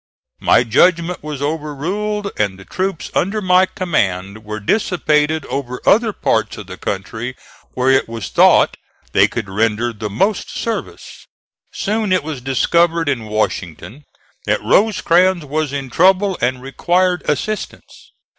My judgment was overruled, and the troops under my command were dissipated over other parts of the country where it was thought they could render the most service. Soon it was discovered in Washington that Rosecrans was in trouble and required assistance.